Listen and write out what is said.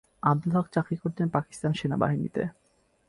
আবদুল হক চাকরি করতেন পাকিস্তান সেনাবাহিনীতে।